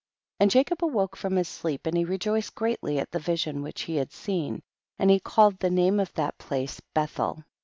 3. And Jacob awoke from his sleep and he rejoiced greatly at the vision which he had seen ; and he called the name of that place Bethel.